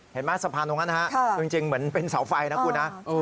เห็นไหมสะพานตรงนั้นนะฮะจริงเหมือนเป็นเสาไฟนะคุณนะ